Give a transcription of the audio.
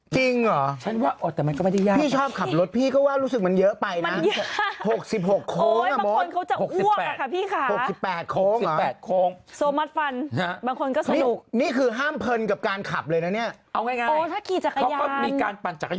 จริงเหรอพี่ชอบขับรถพี่ก็ว่ารู้สึกมันเยอะไปนะมันเยอะ